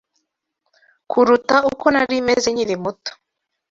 kuruta uko nari meze nkiri muto